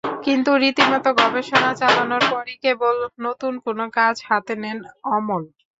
কিন্তু রীতিমতো গবেষণা চালানোর পরই কেবল নতুন কোনো কাজ হাতে নেন অমল।